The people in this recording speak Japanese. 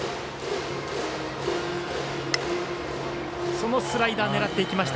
そのスライダーを狙っていきました。